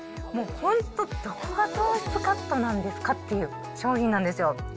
もう本当、どこが糖質カットなんですかっていう商品なんですよ。